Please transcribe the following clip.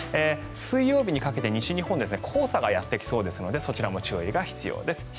水曜日にかけて西日本黄砂がやってきそうですのでそちらも注意が必要です。